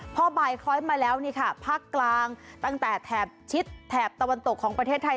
พอบ่ายคล้อยมาแล้วนี่ค่ะภาคกลางตั้งแต่แถบชิดแถบตะวันตกของประเทศไทย